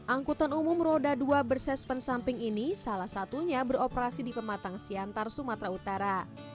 angkutan umum roda dua bersessment samping ini salah satunya beroperasi di pematang siantar sumatera utara